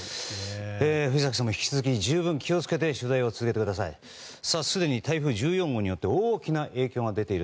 藤崎さんも引き続き十分気を付けて取材を続けてください。